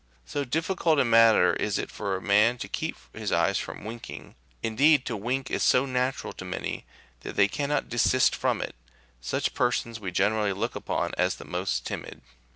So difficult a matter is it for a man to keep his eyes from winking : indeed, to wink is so natural to many, that they cannot desist from it ; such per sons we generally look upon as the most timid.